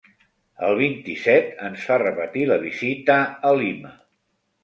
El vint-i-set ens fa repetir la visita a Lima.